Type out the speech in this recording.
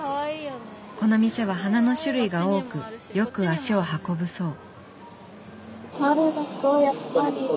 この店は花の種類が多くよく足を運ぶそう。